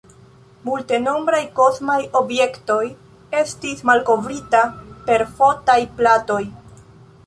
Multenombraj kosmaj objektoj estis malkovrita per fotaj platoj.